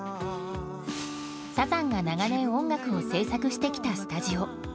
サザンが長年音楽を制作してきたスタジオ。